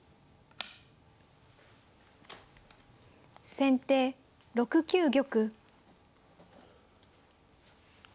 先手６九玉。